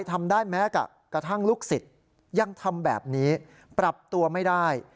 ทำได้แม้กระทั่งลูกศิษย์ยังทำแบบนี้ปรับตัวไม่ได้